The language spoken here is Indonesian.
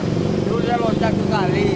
itu dia locak sekali